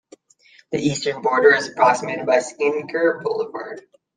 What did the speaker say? The eastern border is approximated by Skinker Boulevard.